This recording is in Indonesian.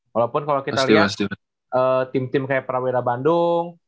walaupun kalau kita lihat tim tim kayak prawira bandung